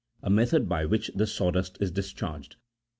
a method by which the saw dust is discharged.